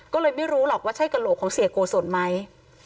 ก็เลยไม่รู้หรอกว่าใช่กระโหลกของเสียโกศลไหม